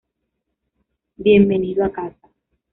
Bienvenido a casa.